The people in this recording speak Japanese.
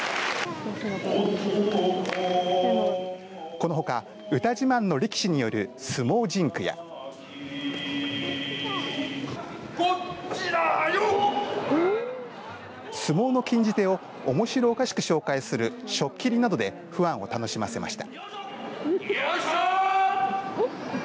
このほか、歌自慢の力士による相撲甚句や相撲の禁じ手を面白おかしく紹介する初切などでファンを楽しませました。